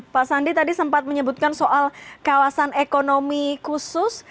pak sandi tadi sempat menyebutkan soal kawasan ekonomi khusus